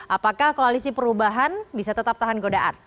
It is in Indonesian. apakah koalisi perubahan bisa tetap tahan godaan